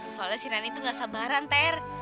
soalnya si nani tuh nggak sabaran ter